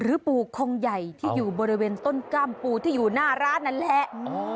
ปูคงใหญ่ที่อยู่บริเวณต้นกล้ามปูที่อยู่หน้าร้านนั่นแหละ